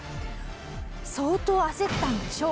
相当焦ったんでしょう。